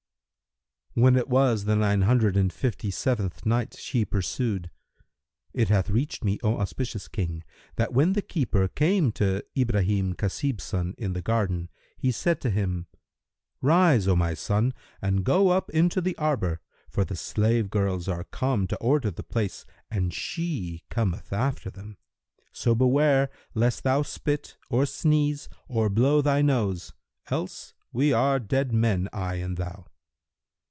When it was the Nine Hundred and Fifty seventh Night, She pursued, It hath reached me, O auspicious King, that when the keeper came to Ibrahim Khasib son in the Garden he said to him, "Rise, O my son, and go up into the arbour; for the slave girls are come to order the place and she cometh after them. So beware lest thou spit or sneeze or blow thy nose[FN#322]; else we are dead men, I and thou."